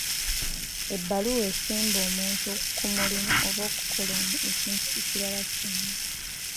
ebbaluwa esemba omuntu ku mulimu oba okukola ekintu ekirala kyonna.